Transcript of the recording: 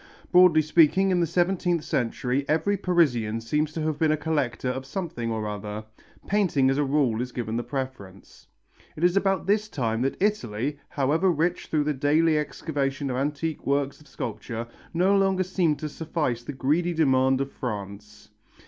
Broadly speaking, in the seventeenth century every Parisian seems to have been a collector of something or other. Painting as a rule is given the preference. It is about this time that Italy, however rich through the daily excavation of antique works of sculpture, no longer seemed to suffice to the greedy demand of France.